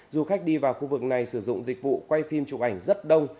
du khách đi vào khu vực này sử dụng dịch vụ quay phim chụp ảnh rất đông